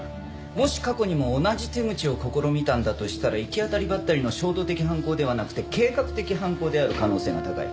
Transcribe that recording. もし過去にも同じ手口を試みたんだとしたら行き当たりばったりの衝動的犯行ではなくて計画的犯行である可能性が高い。